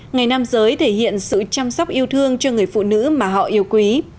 ngày nam giới thể hiện sự chăm sóc yêu thương cho người phụ nữ mà họ yêu quý